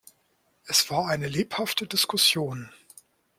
Es war eine lebhafte Diskussion.